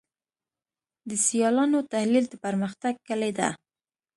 د سیالانو تحلیل د پرمختګ کلي ده.